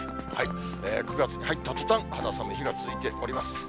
９月に入ったとたん、肌寒い日が続いております。